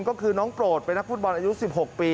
ก็คือน้องโปรดเป็นนักฟุตบอลอายุ๑๖ปี